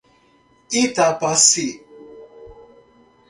Itapaci